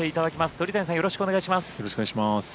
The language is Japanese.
鳥谷さん、よろしくお願いします。